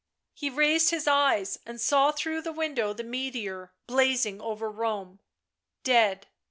He raised his eyes and saw through the window the meteor, blazing over Rome. Dead.